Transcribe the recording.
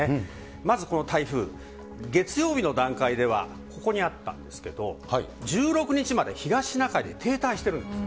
まずこの台風、月曜日の段階ではここにあったんですけど、１６日まで東シナ海で停滞してるんです。